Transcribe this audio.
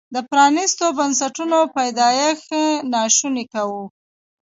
د پرانیستو بنسټونو پیدایښت ناشونی کاوه.